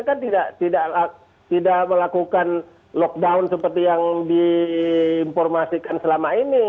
kan tidak melakukan lockdown seperti yang diinformasikan selama ini